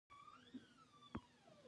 سر يې پورته کړ: بابو جانه!